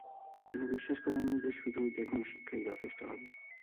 তিনি বিশ্বাস করেননি, যে, শুধু যে কোন শিক্ষাই যথেষ্ট হবে।